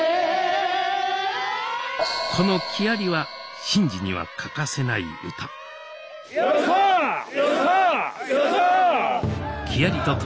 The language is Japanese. この「木遣り」は神事には欠かせない歌よいさよ